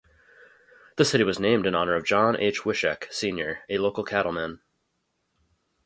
The city was named in honor of John H. Wishek, Senior a local cattleman.